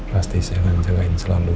pasti saya akan jagain selalu